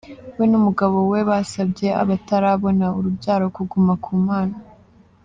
We n’umugabo we basabye abatarabona urubyaro kuguma ku Mana.